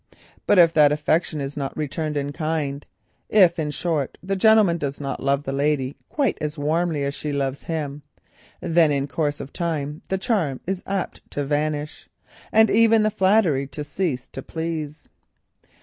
But if that affection is not returned in kind, if in short the gentleman does not love the lady quite as warmly as she loves him, then in course of time the charm is apt to vanish and even the flattery to cease to give pleasure.